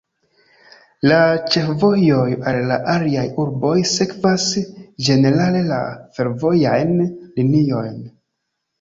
La ĉefvojoj al la aliaj urboj sekvas ĝenerale la fervojajn liniojn.